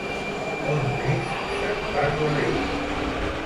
On més se'n parla, d'ell?